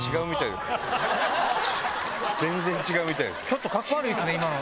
ちょっとカッコ悪いですね今の。